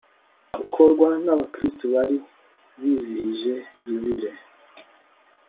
ukorwa n'abakristu bari bizihije yubile